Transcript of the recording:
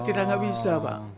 tidak bisa pak